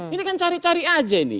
ini kan cari cari aja nih